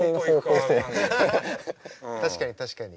確かに確かに。